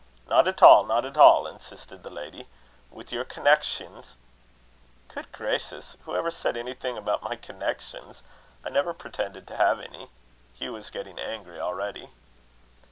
"Not at all, not at all," insisted the lady. "With your connexions " "Good gracious! who ever said anything about my connexions? I never pretended to have any." Hugh was getting angry already.